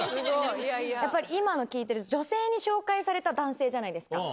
やっぱり、今の聞いてると、女性に紹介された男性じゃないですか。